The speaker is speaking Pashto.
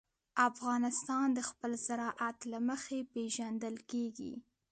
افغانستان د خپل زراعت له مخې پېژندل کېږي.